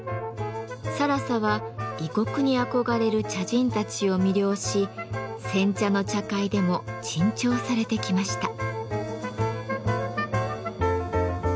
更紗は異国に憧れる茶人たちを魅了し煎茶の茶会でも珍重されてきました。